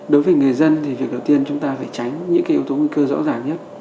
đối với người dân thì việc đầu tiên chúng ta phải tránh những yếu tố nguy cơ rõ ràng nhất